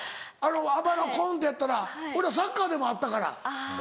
あばらコンってやったら俺はサッカーでもあったから。